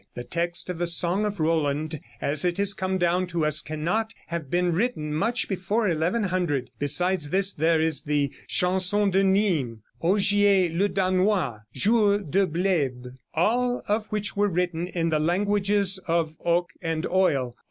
The text of the 'Song of Roland' as it has come down to us cannot have been written much before 1100. Besides this there is the 'Chanson de Nimes,' 'Ogier le Danois,' 'Jour de Blaibes,' all of which were written in the languages of Oc and Oil.